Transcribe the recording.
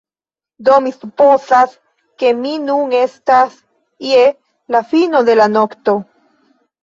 Do, mi supozas ke ni nun estas je la fino de la nokto.